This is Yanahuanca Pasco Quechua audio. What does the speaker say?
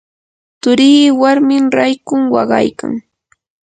turii warmin raykun waqaykan.